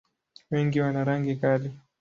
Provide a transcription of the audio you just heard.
Wengi wana rangi kali.